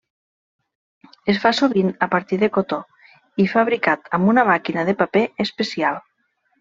Es fa sovint a partir de cotó i fabricat amb una màquina de paper especial.